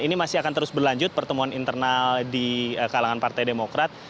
ini masih akan terus berlanjut pertemuan internal di kalangan partai demokrat